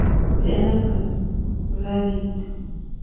Vôlge ke, va vite.